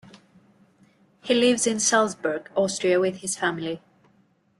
He lives in Salzburg, Austria with his family.